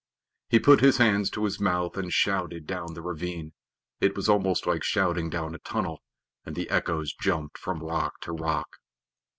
He put his hands to his mouth and shouted down the ravine it was almost like shouting down a tunnel and the echoes jumped from rock to rock.